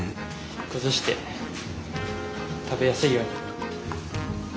崩して食べやすいように。